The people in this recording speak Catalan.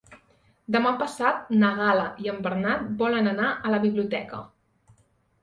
Demà passat na Gal·la i en Bernat volen anar a la biblioteca.